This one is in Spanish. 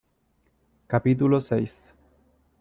capítulo seis.